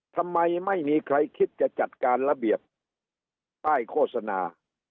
ทำไมไม่มีใครคิดจะจัดการระเบียบป้ายโฆษณา